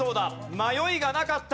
迷いがなかった。